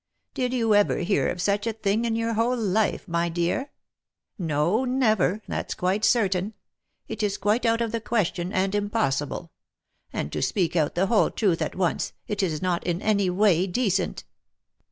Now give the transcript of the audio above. " Did you ever hear of such a thing in your whole life, my dear? No, never ! that's quite certain. It is quite out of the question, and impossible ; and to speak out the whole truth at once, it is not in any way decent."